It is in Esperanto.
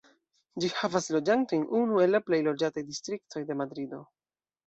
Ĝi havas loĝantojn, unu el la plej loĝataj distriktoj de Madrido.